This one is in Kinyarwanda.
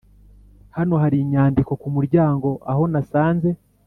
hano hari inyandiko ku muryango aho nasanze